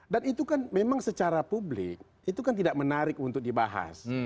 dan itu kan memang secara publik itu kan tidak menarik untuk dibahas